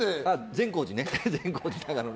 善光寺ね。